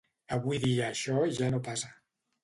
Avui dia això ja no passa.